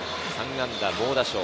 ３安打猛打賞。